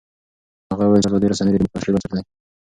هغه وویل چې ازادې رسنۍ د ډیموکراسۍ بنسټ دی.